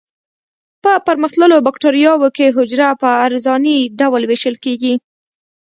په پرمختللو بکټریاوو کې حجره په عرضاني ډول ویشل کیږي.